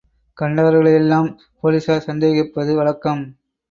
கண்டவர்களையெல்லாம் போலிஸார் சந்தேகிப்பது வழக்கம்.